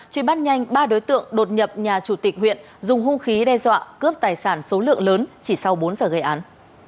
truy bắt nhanh ba đối tượng đột nhập nhà chủ tịch huyện dùng hung khí đe dọa cướp tài sản số lượng lớn chỉ sau bốn giờ gây án